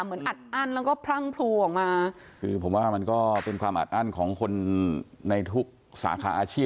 เรานั่งร้องไห้แล้วอย่างนี้